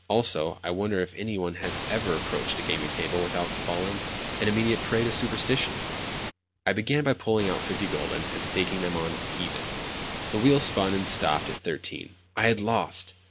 Also, I wonder if any one has ever approached a gaming table without falling an immediate prey to superstition? I began by pulling out fifty gülden, and staking them on "even." The wheel spun and stopped at 13. I had lost!